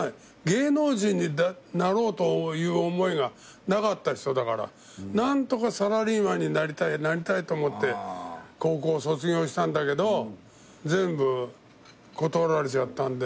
芸能人になろうという思いがなかった人だから何とかサラリーマンになりたいなりたいと思って高校卒業したんだけど全部断られちゃったんで。